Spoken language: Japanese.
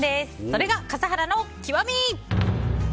それが笠原の極み！